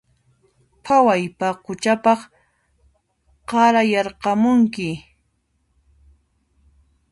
Phaway paquchapaq qarayarqamunki